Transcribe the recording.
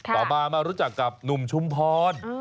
ต่อมามารู้จักกับหนุ่มชุมพร